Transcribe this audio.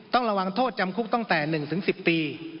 ต้องระวังโทษจำคุกตั้งแต่๑๑๐ปี